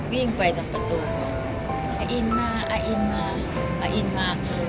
วิ่งไปตรงประตูอาอินมาอาอินมาอาอินมา